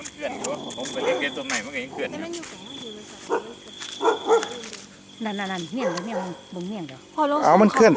ติดไปกันมากเลยเนี่ยเหมือนมุ่งหิมบวนนั้นเนี่ย